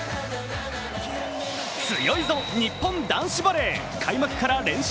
強いぞ日本男子バレー開幕から連勝